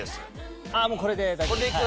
もうこれで大丈夫です。